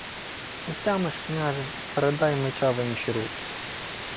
— Не тямиш, княже, то передай меча в инчі руки!